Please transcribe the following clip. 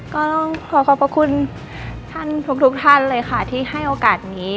ก็ต้องขอขอบพระคุณท่านทุกท่านเลยค่ะที่ให้โอกาสนี้